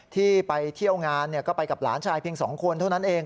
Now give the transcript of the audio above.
ที่ไปเที่ยวงานก็ไปกับหลานชายเพียง๒คนเท่านั้นเอง